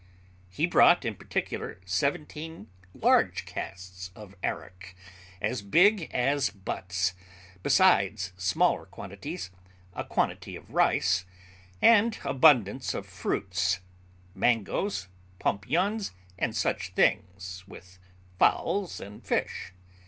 He brought, in particular, seventeen large casks of arrack, as big as butts, besides smaller quantities, a quantity of rice, and abundance of fruits, mangoes, pompions, and such things, with fowls and fish.